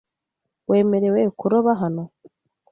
Wemerewe kuroba hano?